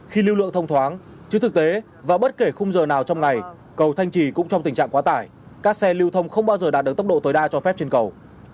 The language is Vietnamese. khi lưu lượng thông thoáng chứ thực tế vào bất kể khung giờ nào trong ngày cầu thanh trì cũng trong tình trạng quá tải các xe lưu thông không bao giờ đạt được tốc độ tối đa cho phép trên cầu